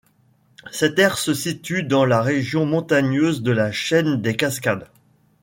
Cette aire se situe dans la région montagneuse de la Chaîne des Cascades.